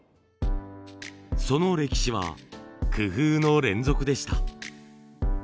その歴史は工夫の連続でした。